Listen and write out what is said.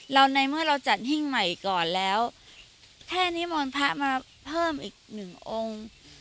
ในเมื่อเราจัดหิ้งใหม่ก่อนแล้วแค่นิมนต์พระมาเพิ่มอีกหนึ่งองค์